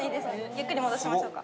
ゆっくり戻しましょうか。